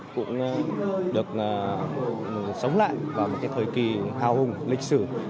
cũng được sống lại vào một cái thời kỳ hào hùng lịch sử